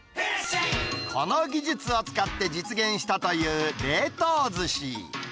この技術を使って実現したという冷凍ずし。